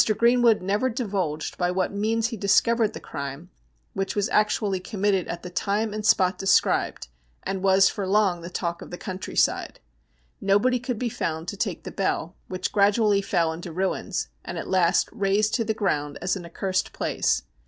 Greenwood never divulged by what means he discovered the crime, which was actually committed at the time and spot described, and was for long the talk of the country side. No body could be found to take the Bell, which gradually fell into ruins, and was at last razed to the ground as an accursed place.